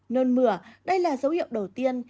nôn mửa đây là dấu hiệu đầu tiên